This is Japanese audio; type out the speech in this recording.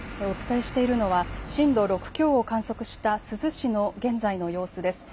お伝えしているのは震度６強を観測した珠洲市の現在の様子です。